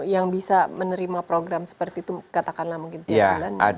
yang bisa menerima program seperti itu katakanlah mungkin tiap bulan